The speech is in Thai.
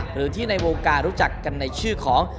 หรือที่ในวงการรู้จักกันในชื่อของ